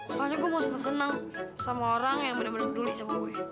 soalnya gue mau senang senang sama orang yang bener bener peduli sama gue